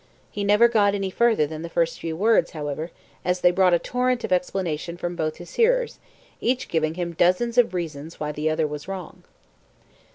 He never got any further than the first few words, however, as they brought a torrent of explanation from both his hearers, each giving him dozens of reasons why the other was wrong.